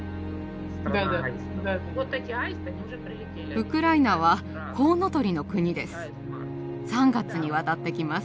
ウクライナはコウノトリの国です。